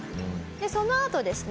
そのあとですね